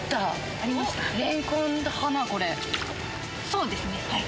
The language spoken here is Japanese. そうですね。